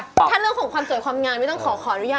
ถ้าเรื่องของความสวยความงามไม่ต้องขออนุญาต